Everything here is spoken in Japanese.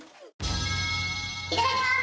いただきます。